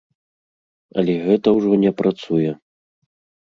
Але гэта ўжо не працуе.